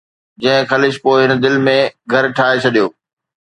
جنهن خلش پوءِ هن دل ۾ گهر ٺاهي ڇڏيو